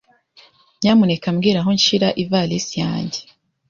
Nyamuneka mbwira aho nshyira ivarisi yanjye.